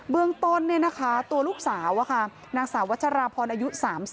เมืองต้นตัวลูกสาวนางสาววัชราพรอายุ๓๐